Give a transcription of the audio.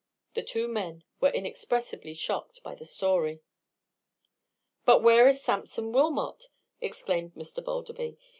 The two men were inexpressibly shocked by this story. "But where is Sampson Wilmot?" exclaimed Mr. Balderby.